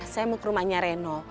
saya mau ke rumahnya reno